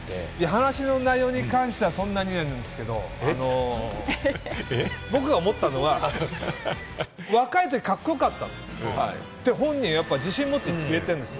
話の内容に関しては、そんなになんですけれども、僕が思ったのは、若いときカッコよかったって本人が自信もって言えてるんです。